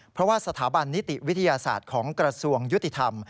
เพราะว่าสถาบันนิติวิทยาศาสตร์ของกระทรวงยุติธรรม